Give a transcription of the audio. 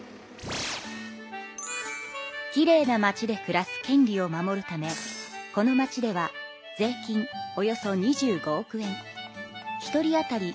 きれいな町で暮らす権利を守るためこの町では税金およそ２５億円１人あたり